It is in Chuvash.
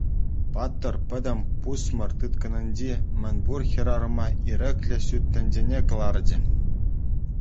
Паттӑр пӗтӗм пусмӑр тыткӑнӗнчи мӗн пур хӗрарӑма ирӗклӗ ҫут тӗнчене кӑларчӗ.